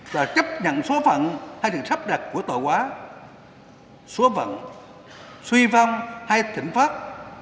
mà là phát đặt của tội quá số vận suy vong hay thỉnh pháp